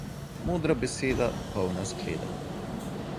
Modra beseda, polna skleda.